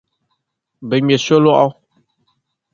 Bɛ ŋme solɔɣu.